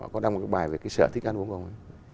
có đăng một cái bài về cái sở thích ăn uống không